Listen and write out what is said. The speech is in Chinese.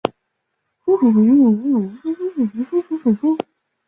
截基鸭绿乌头为毛茛科乌头属下的一个变种。